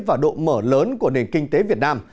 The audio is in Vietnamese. và độ mở lớn của nền kinh tế việt nam